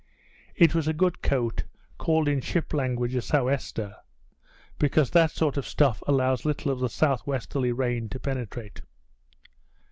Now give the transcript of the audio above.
It was a good coat, called in ship language a sou 'wester, because that sort of stuff allows little of the south westerly rain to penetrate.